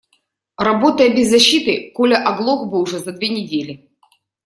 Работая без защиты, Коля оглох бы уже за две недели.